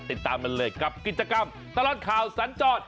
ติดตามกันเลยกับกิจกรรมตลอดข่าวสัญจร